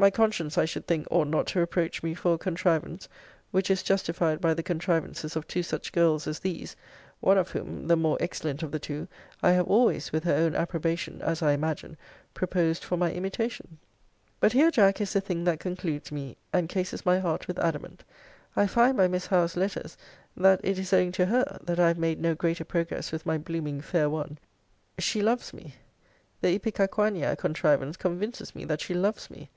My conscience, I should think, ought not to reproach me for a contrivance, which is justified by the contrivances of two such girls as these: one of whom (the more excellent of the two) I have always, with her own approbation, as I imagine, proposed for my imitation. But here, Jack, is the thing that concludes me, and cases my heart with adamant: I find, by Miss Howe's letters, that it is owing to her, that I have made no greater progress with my blooming fair one. She loves me. The ipecacuanha contrivance convinces me that she loves me.